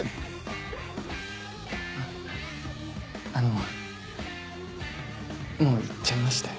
ああのもう行っちゃいましたよ。